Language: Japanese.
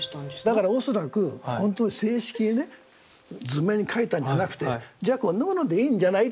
だから恐らくほんとに正式にね図面描いたんじゃなくて「じゃあこんなものでいいんじゃない」